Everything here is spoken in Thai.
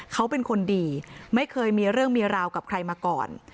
เขาเป็นคนดีไม่เคยมีเรื่องมีราวกับใครมาก่อน